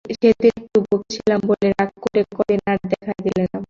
সেদিন একটু বকেছিলাম বলে রাগ করে কদিন আর দেখাই দিলে না ভাই!